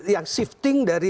yang shifting dari